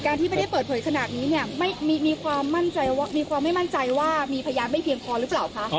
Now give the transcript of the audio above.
การที่ประเทศเปิดเผยขนาดนี้เนี่ยมีความไม่มั่นใจว่ามีพยานไม่เพียงพอหรือเปล่าคะ